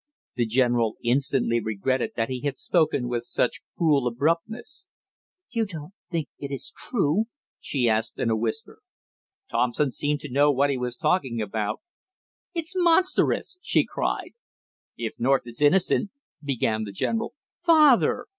The general instantly regretted that he had spoken with such cruel abruptness. "You don't think it is true?" she asked in a whisper. "Thompson seemed to know what he was talking about." "It's monstrous!" she cried. "If North is innocent " began the general. "Father!"